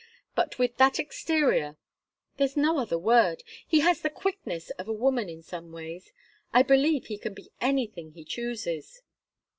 But with that exterior there's no other word. He has the quickness of a woman in some ways. I believe he can be anything he chooses."